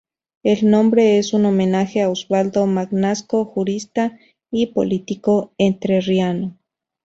El nombre es un homenaje a Osvaldo Magnasco, jurista y político entrerriano.